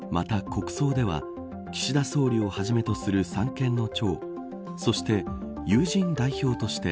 国葬では岸田総理をはじめとする三権の長そして友人代表として